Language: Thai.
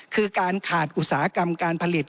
คือการขาดอุตสาหกรรมการผลิต